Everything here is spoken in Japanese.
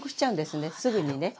すぐにね。